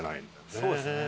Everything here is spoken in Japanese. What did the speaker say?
そうですね。